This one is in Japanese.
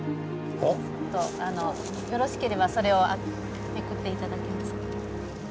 よろしければそれをめくって頂けますか。